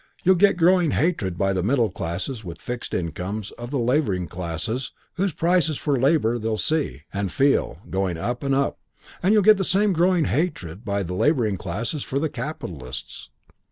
You'll get growing hatred by the middle classes with fixed incomes of the labouring classes whose prices for their labour they'll see and feel going up and up; and you'll get the same growing hatred by the labouring classes for the capitalists.